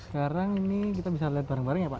sekarang ini kita bisa lihat bareng bareng ya pak